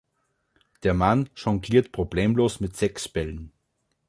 Der Mann jongliert problemlos mit sechs Bällen.